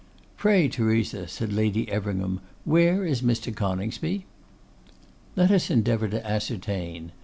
'Pray, Theresa,' said Lady Everingham, 'where is Mr. Coningsby?' Let us endeavour to ascertain.